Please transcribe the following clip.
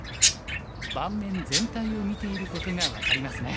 盤面全体を見ていることが分かりますね。